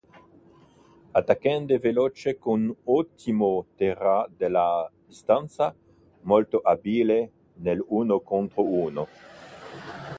Attaccante veloce con un ottimo tiro dalla distanza, molto abile nell'uno contro uno.